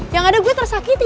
yang ada gue tersakiti